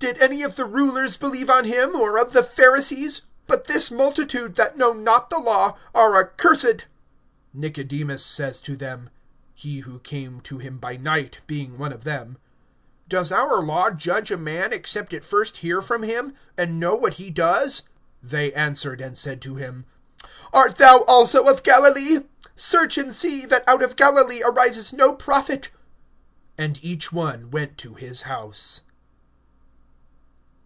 (48)Did any of the rulers believe on him, or of the Pharisees? (49)But this multitude, that know not the law, are accursed. (50)Nicodemus says to them (he who came to him by night, being one of them): (51)Does our law judge a man, except it first hear from him, and know what he does? (52)They answered and said to him: Art thou also of Galilee? Search, and see, that out of Galilee arises no prophet[7:52]. (53)[7:53][And each one went to his house.